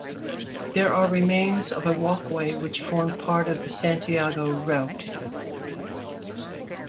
There are remains of a walkway which formed part of the Santiago Route.